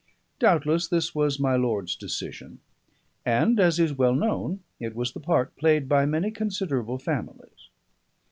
Doubtless this was my lord's decision; and, as is well known, it was the part played by many considerable families.